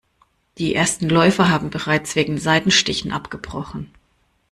Die ersten Läufer haben bereits wegen Seitenstichen abgebrochen.